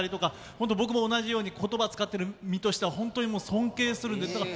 本当僕も同じように言葉使ってる身としては本当に尊敬するネタが。